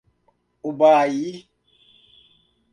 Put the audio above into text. Ubaí